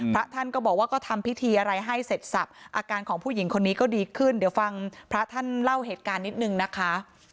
พระท่านก็บอกว่าก็ทำพิธีอะไรให้เสร็จสับอาการของผู้หญิงคนนี้ก็ดีขึ้นเดี๋ยวฟังพระท่านเล่าเหตุการณ์นิดนึงนะคะ